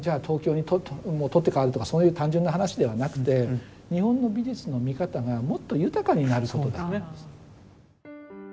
東京にもう取って代わるとかそういう単純な話ではなくて日本の美術の見方がもっと豊かになることなんです。